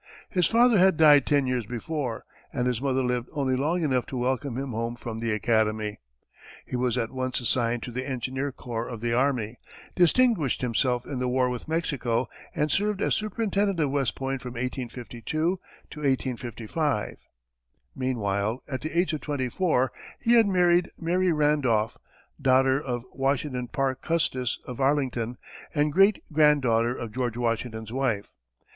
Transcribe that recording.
His father had died ten years before, and his mother lived only long enough to welcome him home from the Academy. He was at once assigned to the engineer corps of the army, distinguished himself in the war with Mexico and served as superintendent of West Point from 1852 to 1855. Meanwhile, at the age of twenty four, he had married Mary Randolph, daughter of Washington Parke Custis, of Arlington, and great grand daughter of George Washington's wife.